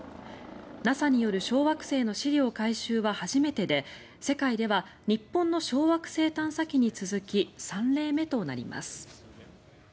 ＮＡＳＡによる小惑星の試料回収は初めてで世界では日本の小惑星探査機に続き３例目となります。